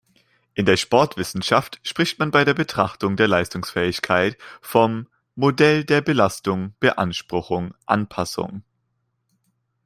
In der Sportwissenschaft spricht man bei der Betrachtung der Leistungsfähigkeit vom „Modell der Belastung-Beanspruchung-Anpassung“.